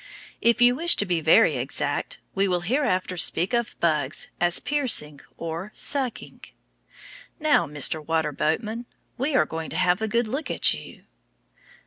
If you wish to be very exact, we will hereafter speak of bugs as piercing or sucking. Now, Mr. Water Boatman, we are going to have a good look at you.